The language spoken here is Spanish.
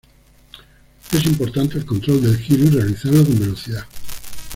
Es importante el control del giro y realizarlo con velocidad.